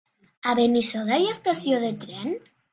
A Benissoda hi ha estació de tren?